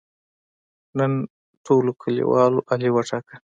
نن ټولو کلیوالو علي وټاکه.